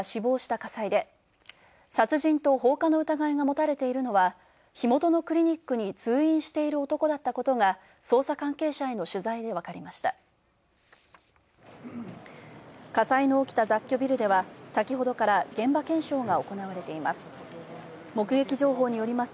火災の起きた雑居ビルでは先ほどから現場検証が行われています。